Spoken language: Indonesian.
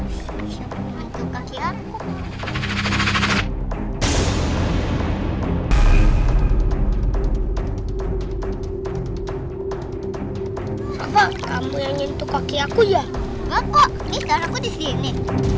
apa kamu yang nyentuh kaki aku ya bapak ini kan aku disini